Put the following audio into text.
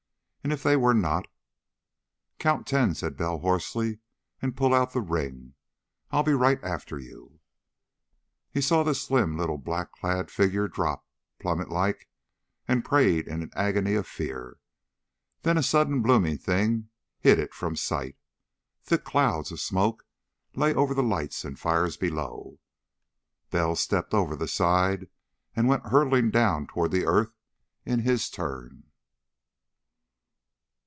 And if they were not.... "Count ten," said Bell hoarsely, "and pull out the ring. I'll be right after you." He saw the slim little black clad figure drop, plummetlike, and prayed in an agony of fear. Then a sudden blooming thing hid it from sight. Thick clouds of smoke lay over the lights and fires below. Bell stepped over the side and went hurtling down toward the earth in his turn.